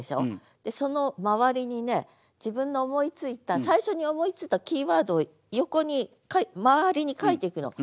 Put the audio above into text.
でその周りにね自分の思いついた最初に思いついたキーワードを横に周りに書いていくの。